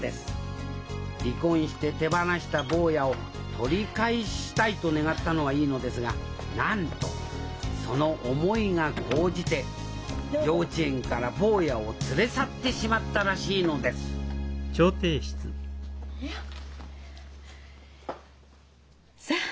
離婚して手放した坊やを取り返したいと願ったのはいいのですがなんとその思いが高じて幼稚園から坊やを連れ去ってしまったらしいのですさあ